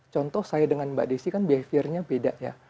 contoh saya dengan mbak desi kan behaviornya beda ya